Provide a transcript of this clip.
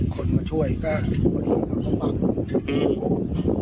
คนมาช่วยก็คนอื่นค่ะคนอื่น